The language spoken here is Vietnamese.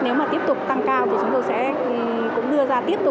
nếu mà tiếp tục tăng cao thì chúng tôi sẽ cũng đưa ra tiếp tục